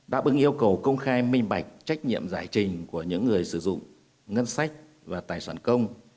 đáp ứng yêu cầu công khai minh bạch trách nhiệm giải trình của những người sử dụng ngân sách và tài sản công